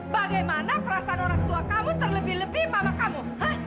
bagaimana perasaan orang tua kamu terlebih lebih mama kamu